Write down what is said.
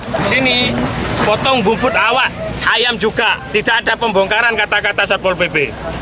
di sini potong bumput awak ayam juga tidak ada pembongkaran kata kata satpol pp